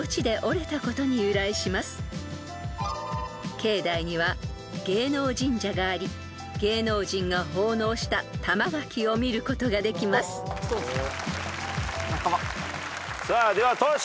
［境内には芸能神社があり芸能人が奉納した玉垣を見ることができます］ではトシ。